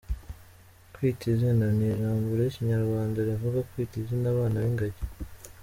Kwita Izina” ni ijambo ry’ikinyarwanda rivuga kwita izina abana b’ingagi.